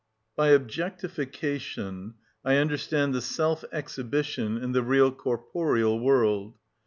By objectification I understand the self exhibition in the real corporeal world.